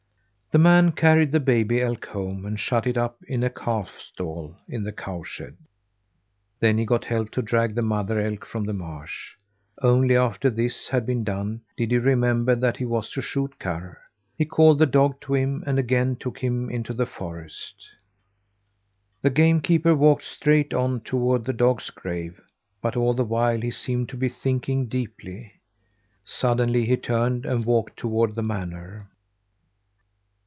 The man carried the baby elk home and shut it up in a calf stall in the cow shed. Then he got help to drag the mother elk from the marsh. Only after this had been done did he remember that he was to shoot Karr. He called the dog to him, and again took him into the forest. The game keeper walked straight on toward the dog's grave; but all the while he seemed to be thinking deeply. Suddenly he turned and walked toward the manor.